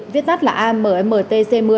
viết tắt là ammtc một mươi